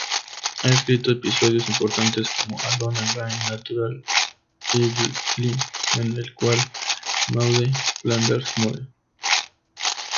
Ha escrito episodios importantes, como "Alone Again, Natura-Diddily", en el cual Maude Flanders muere.